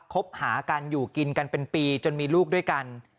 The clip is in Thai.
คบหากันอยู่กินกันเป็นปีจนมีลูกด้วยกัน